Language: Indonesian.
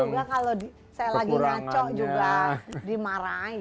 juga kalau saya lagi ngaco juga dimarahin